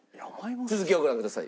続きをご覧ください。